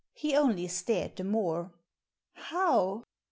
He only stared the more. "How?"